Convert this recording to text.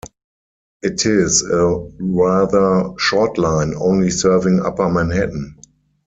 It is a rather short line, only serving upper Manhattan.